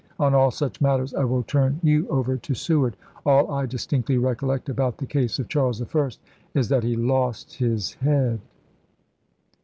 On all such matters I will turn you over to Seward. All I distinctly recollect about the case of Charles I. is that he lost his head.'